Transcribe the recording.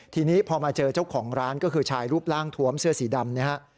ทีนี้พอมาเจอเจ้าของร้านก็คือชายรูปร่างทวมเสื้อสีดำนะฮะ